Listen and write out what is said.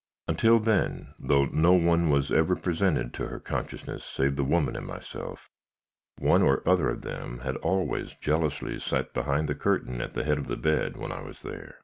Until then, though no one was ever presented to her consciousness save the woman and myself, one or other of them had always jealously sat behind the curtain at the head of the bed when I was there.